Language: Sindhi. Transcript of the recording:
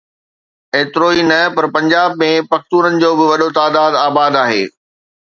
ايترو ئي نه پر پنجاب ۾ پختونن جو به وڏو تعداد آباد آهي.